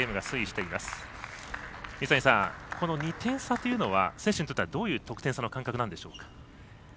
水谷さん、この２点差というのは選手にとっては、どういう得点差の感覚なんでしょうか。